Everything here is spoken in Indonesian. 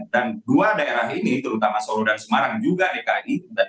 dan dua daerah ini terutama solo dan semarang juga dki